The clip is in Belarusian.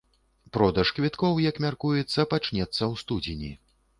Продаж квіткоў, як мяркуецца, пачнецца ў студзені.